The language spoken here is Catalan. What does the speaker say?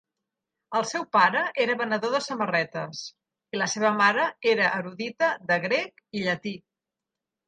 El seu pare era venedor de samarretes, i la seva mare era erudita de grec i llatí.